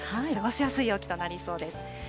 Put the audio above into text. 過ごしやすい陽気となりそうです。